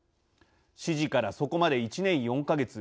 指示から、そこまで１年４か月。